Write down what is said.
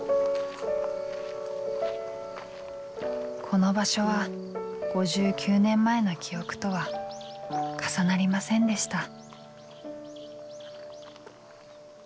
この場所は５９年前の記憶とは重なりませんでした。